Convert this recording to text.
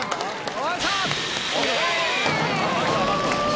お願いします！